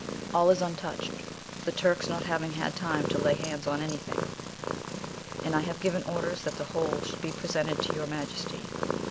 All is untouched, the Turks not having had time to lay hands on anything, and I have given orders that the whole should be presented to your Majesty.